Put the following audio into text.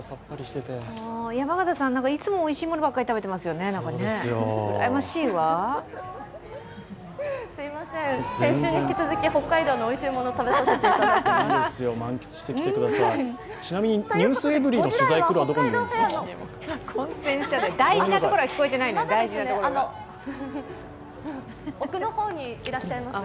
山形さん、いつもおいしいものばかり食べてますね、うらやましいわすいません、先週に引き続き北海道のおいしいもの食べさせていただいています。